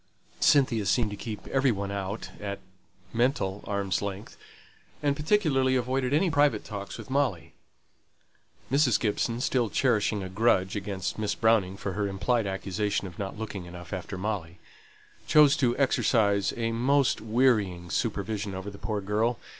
Cynthia seemed to keep every one out at (mental) arms' length; and particularly avoided any private talks with Molly. Mrs. Gibson, still cherishing a grudge against Miss Browning for her implied accusation of not looking enough after Molly, chose to exercise a most wearying supervision over the poor girl.